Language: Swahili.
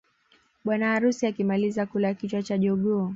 Bwana harusi akimaliza kula kichwa cha jogoo